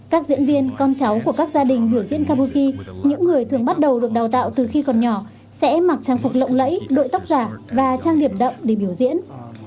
các diễn viên con cháu của các gia đình biểu diễn kabuki những người thường bắt đầu được đào tạo từ khi còn nhỏ sẽ mặc trang phục lộng lẫy đội tóc giả và trang điểm đậm để biểu diễn